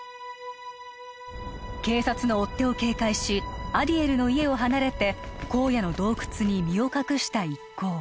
警察の追っ手を警戒しアディエルの家を離れて荒野の洞窟に身を隠した一行